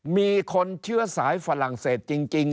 มีคนเชื้อสายฝรั่งเศสจริง